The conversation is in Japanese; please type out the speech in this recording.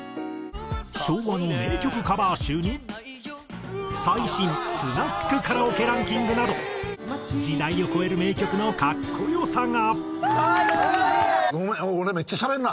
昭和の名曲カバー集に最新スナックカラオケランキングなど時代を超える名曲の格好良さが。